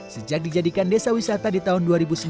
sejak dijadikan desa wisata di tahun dua ribu sembilan